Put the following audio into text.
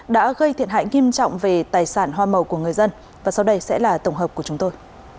đã gây thiệt hại nghiêm trọng về tài sản hoa màu của người dân và sau đây sẽ là tổng hợp của chúng tôi